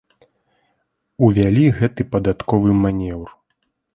Увялі гэты падатковы манеўр.